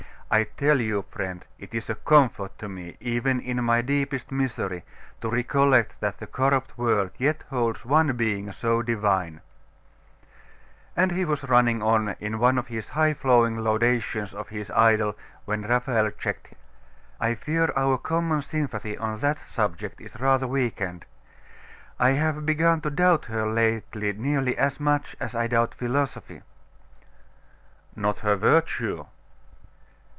I tell you, friend, it is a comfort to me, even in my deepest misery, to recollect that the corrupt world yet holds one being so divine ' And he was running on in one of his high flown laudations of his idol, when Raphael checked him. 'I fear our common sympathy on that subject is rather weakened. I have begun to doubt her lately nearly as much as I doubt philosophy.' 'Not her virtue?